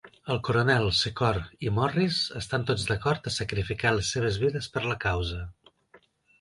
El coronel, Secor, i Morris estan tots d'acord a sacrificar les seves vides per la causa.